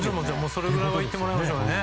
それぐらいはいってもらいましょう。